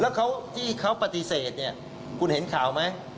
แล้วที่เขาปฏิเสธเนี่ยคุณเห็นข่าวไหม